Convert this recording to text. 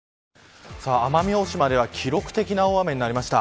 奄美大島では記録的な大雨になりました。